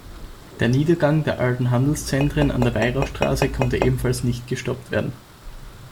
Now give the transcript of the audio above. Der Niedergang der alten Handelszentren an der Weihrauchstraße konnte ebenfalls nicht gestoppt werden.